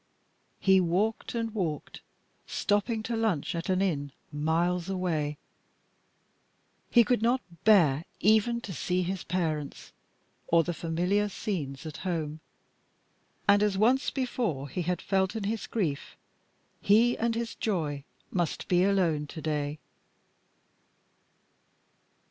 He walked and walked, stopping to lunch at an inn miles away. He could not bear even to see his parents or the familiar scenes at home; and as once before he had felt in his grief he and his joy must be alone to day.